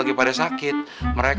ini obat obatan herbal y kg h